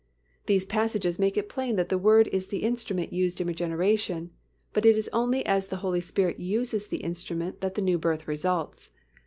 These passages make it plain that the Word is the instrument used in regeneration, but it is only as the Holy Spirit uses the instrument that the new birth results.